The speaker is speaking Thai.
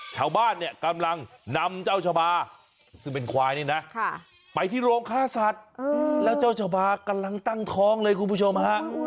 ชาวบ้านเนี่ยกำลังนำเจ้าชะบาซึ่งเป็นควายนี่นะไปที่โรงฆ่าสัตว์แล้วเจ้าชาบากำลังตั้งท้องเลยคุณผู้ชมฮะ